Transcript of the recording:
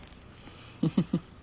フフフ。